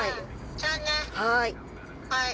はい。